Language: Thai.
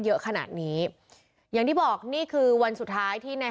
เยอะขนาดนี้อย่างที่บอกนี่คือวันสุดท้ายที่ใน